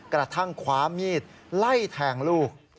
กระทั่งคว้ามีดไล่แทงลูก